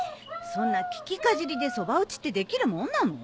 そんな聞きかじりでそば打ちってできるもんなの？